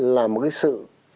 là một cái sự